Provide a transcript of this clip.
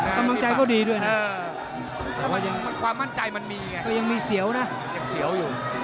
ต้องมั่นใจก็ดีด้วยนะครับความมั่นใจมันมีไงยังเสียวอยู่